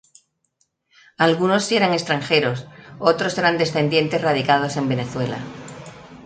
Algunos sí eran extranjeros; otros, eran descendientes radicados en Venezuela.